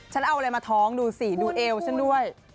ฉันเอาอะไรมาท้องดูเอวฉันด้วย